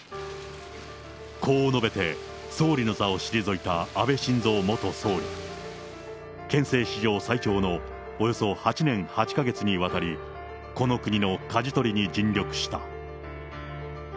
こう述べて、総理の座を退いた安倍晋三元総理。憲政史上最長のおよそ８年８か月にわたり、この国のかじ取りに尽力した。